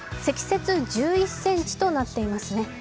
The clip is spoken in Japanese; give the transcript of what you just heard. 積雪１１ｃｍとなっていますね